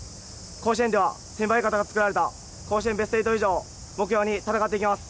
甲子園では、先輩方が作られた甲子園ベスト８以上を目標に戦っていきます。